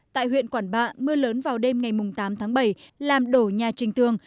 tại huyện quảng bạ mưa lớn vào đêm ngày tám tháng bảy làm đổ nhà trình thương